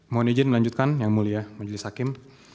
mohon izin melanjutkan yang mulia majelis hakim